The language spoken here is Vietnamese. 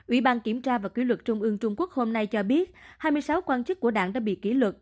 ủy ban kiểm tra và ký luật trung ương trung quốc hôm nay cho biết hai mươi sáu quan chức của đảng đã bị kỷ luật